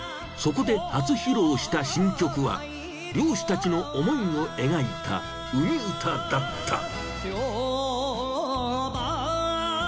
そこで初披露した新曲は漁師たちの思いを描いた海歌だった。